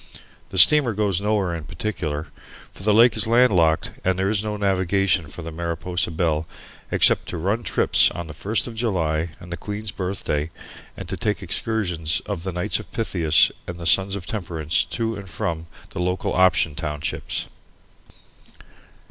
The steamer goes nowhere in particular, for the lake is landlocked and there is no navigation for the Mariposa Belle except to "run trips" on the first of July and the Queen's Birthday, and to take excursions of the Knights of Pythias and the Sons of Temperance to and from the Local Option Townships.